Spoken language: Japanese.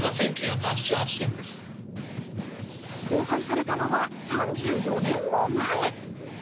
交配されたのは３４年も前。